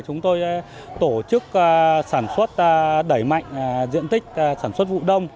chúng tôi tổ chức sản xuất đẩy mạnh diện tích sản xuất vụ đông